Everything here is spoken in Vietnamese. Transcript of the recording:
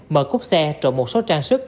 mở cút xe trộn một số trang sức